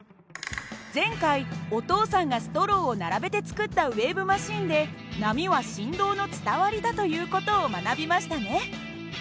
前回お父さんがストローを並べて作ったウエーブマシンで波は振動の伝わりだという事を学びましたね。